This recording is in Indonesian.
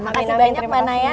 terima kasih banyak mbak naya